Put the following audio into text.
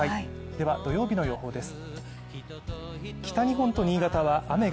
では、土曜日の予報です。